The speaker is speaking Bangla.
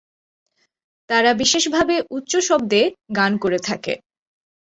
তারা বিশেষভাবে উচ্চ শব্দে গান করে থাকে।